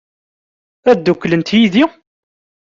Ad dduklent yid-i?